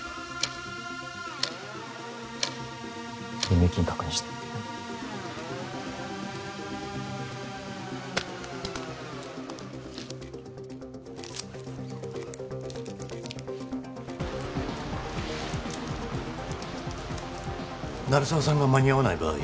入金確認してはい鳴沢さんが間に合わない場合